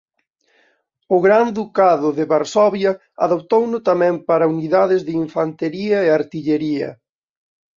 O Gran Ducado de Varsovia adoptouno tamén para unidades de infantería e artillería.